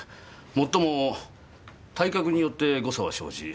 もっとも体格によって誤差は生じ